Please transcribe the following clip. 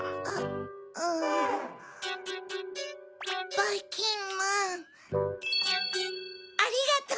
ばいきんまんありがとう！